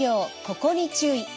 ここに注意！」